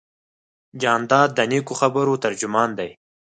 جانداد د نیکو خبرو ترجمان دی.